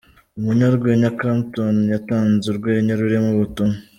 Umunyarwenya Clapton yatanze urwenya rurimo ubutumwa.